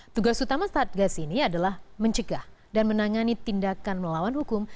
tugas utama satgas ini adalah mencegah dan menangani tindakan melawan hukum